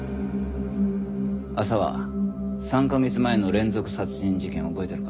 浅輪３カ月前の連続殺人事件覚えてるか？